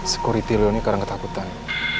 security leon ini kadang ketakutan